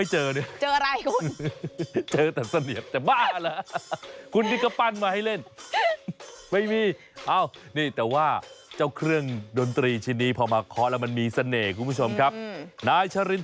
หาเสน่ห์แต่ไม่เจอเนี่ย